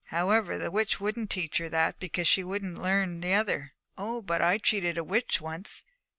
However, the witch wouldn't teach her that because she wouldn't learn the other. Oh, but I cheated a witch once.